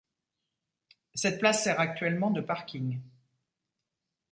Cette place sert actuellement de parking.